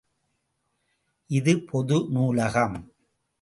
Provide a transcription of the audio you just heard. இது பொது நூலகம்.